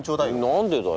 何でだよ！